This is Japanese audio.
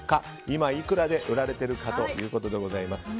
今、いくらで売られているかということでございます。